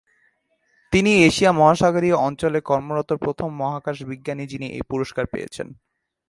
তিনিই এশিয়া-প্রশান্ত মহাসাগরীয় অঞ্চলে কর্মরত প্রথম মহাকাশ বিজ্ঞানী যিনি এই পুরস্কার পেয়েছেন।